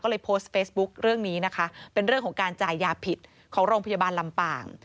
ก็เลยโพสต์เฟซบุ๊คเรื่องนี้นะคะเป็นเรื่องของการจ่ายยาผิดของโรงพยาบาลลำปาง